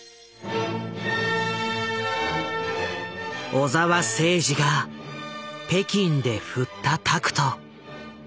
小澤征爾が北京で振ったタクト。